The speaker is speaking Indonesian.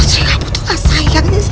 putri gak butuh rasa iganis